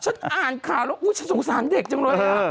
ฉันอ่านข่าวแล้วอุ๊ยฉันสงสารเด็กจังเลย